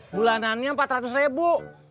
bulanannya empat ratus ribu